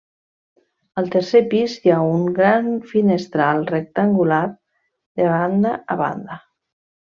Al tercer pis hi ha un gran finestral rectangular de banda a banda.